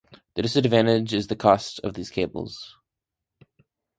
The disadvantage is the cost of these cables.